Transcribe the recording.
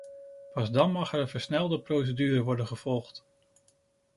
Pas dan mag er een versnelde procedure worden gevolgd.